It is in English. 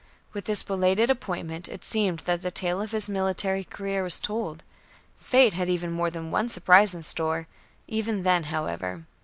With this belated appointment it seemed that the tale of his military career was told. Fate had more than one surprise in store, even then, however.